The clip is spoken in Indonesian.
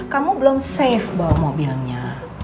kamu belum safe bawa mobilnya